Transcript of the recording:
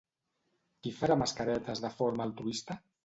Qui farà mascaretes de forma altruista?